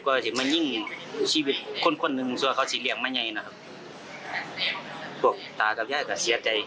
ก็อยากให้เพื่อนสวัสดิ์ติดตามเรื่องคดีให้มันถึงที่สุดนะครับ